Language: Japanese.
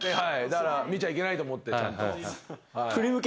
だから見ちゃいけないと思って。